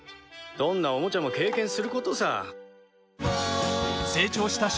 どんなオモチャも経験することさ。